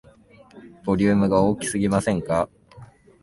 ボリュームが大きすぎませんか